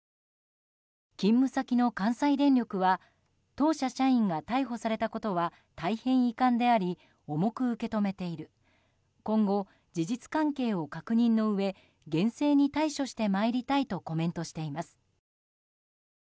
勤務先の関西電力は当社社員が逮捕されたことは大変遺憾であり重く受け止めている今後、事実関係を確認のうえ厳正に対処してまいりたいとコメントしています。